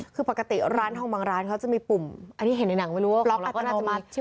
คือปกติร้านทองบางร้านเขาจะมีปุ่มอันนี้เห็นในหนังไม่รู้ว่าบล็อกแล้วก็น่าจะมา